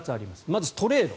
まずトレード。